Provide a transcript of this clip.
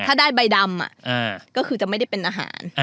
ถ้าได้ใบดำก็คือจะไม่ได้เป็นอาหาร